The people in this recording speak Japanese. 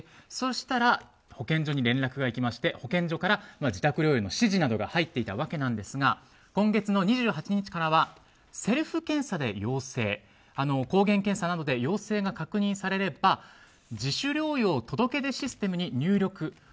そうしたら保健所に連絡がいきまして、保健所から自宅療養の指示などが入っていたわけなんですが今月の２８日からはセルフ検査で陽性抗原検査などで陽性が確認されれば自主療養届出システムに入力。